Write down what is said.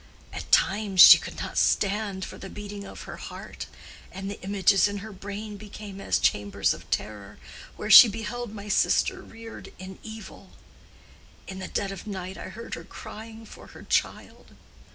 At times she could not stand for the beating of her heart, and the images in her brain became as chambers of terror, where she beheld my sister reared in evil. In the dead of night I heard her crying for her child.